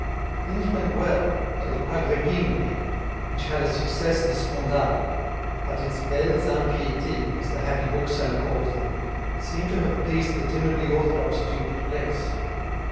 Things went well till Agrippine appeared, which had a "succès de scandale"; but its "belles impiétés," as the happy book seller called them, seem to have pleased the timidly orthodox Duke less.